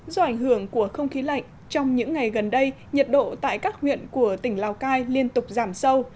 do ảnh hưởng của không khí lạnh trong những ngày gần đây nhiệt độ tại các huyện của tỉnh lào cai liên tục giảm sâu